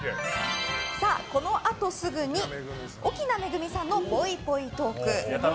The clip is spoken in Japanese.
このあとすぐに奥菜恵さんのぽいぽいトーク。